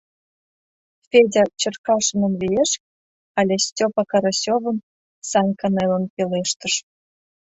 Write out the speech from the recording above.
— Федя Черкашиным лиеш... але Стёпа Карасёвым, — Санька нелын пелештыш.